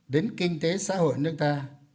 đến kinh tế xã hội nước ta